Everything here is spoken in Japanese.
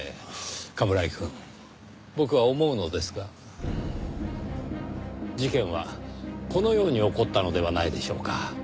冠城くん僕は思うのですが事件はこのように起こったのではないでしょうか？